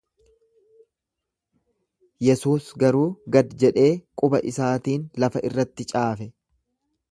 Yesuus garuu gad jedhee quba isaatiin lafa irratti caafe.